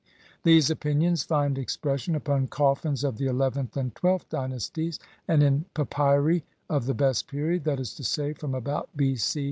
These opinions find expression upon coffins of the eleventh and twelfth dynasties and in papyri of the best period, that is to say, from about B. C.